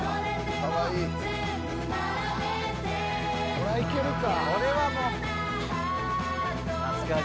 これはいけるか。